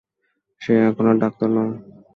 সে এখন আর ডাক্তার নয়।